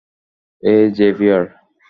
এই, জেভিয়ার?